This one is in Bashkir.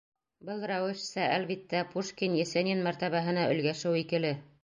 Был рәүешсә, әлбиттә, Пушкин, Есенин мәртәбәһенә өлгәшеү икеле.